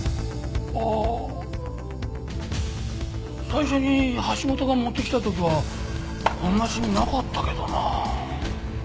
最初に橋本が持ってきた時はこんなシミなかったけどなあ。